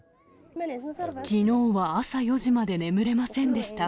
きのうは朝４時まで眠れませんでした。